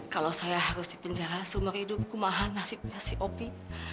kalau saya harus dipenjara seumur hidup kumahan nasibnya si op